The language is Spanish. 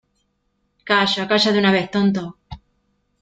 ¡ Calla! ¡ calla de una vez, tonto !